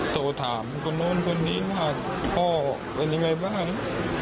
โทรถามคนนู้นคนนี้ว่าพ่อเป็นยังไงบ้าง